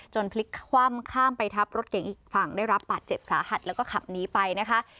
พลิกคว่ำข้ามไปทับรถเก่งอีกฝั่งได้รับบาดเจ็บสาหัสแล้วก็ขับหนีไปนะคะ